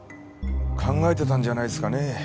考えてたんじゃないですかね。